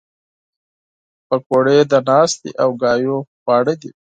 پکورې د ناستې او خبرو خواړه دي